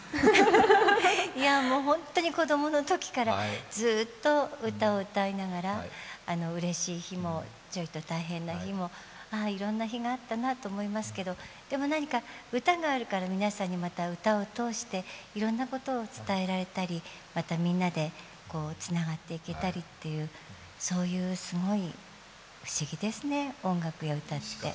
いやもうホントに子供のときからずっと歌を歌いながらうれしい日も、ちょっと大変な日もいろんな日があったなと思いますけれども、でも、歌があるから皆さんにまた歌を通していろんなことを伝えられたりまたみんなでつながっていけたりという、そういう、すごい不思議ですね、音楽や歌って。